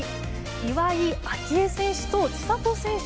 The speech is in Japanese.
岩井明愛選手と千怜選手。